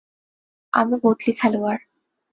আমি বদলি খেলোয়াড়।